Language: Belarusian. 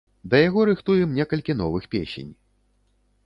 Да яго рыхтуем некалькі новых песень.